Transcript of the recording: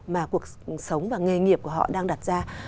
mà cuộc sống và nghề nghiệp của họ đang đặt ra